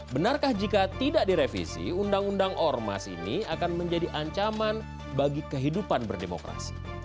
benarkah jika tidak direvisi undang undang ormas ini akan menjadi ancaman bagi kehidupan berdemokrasi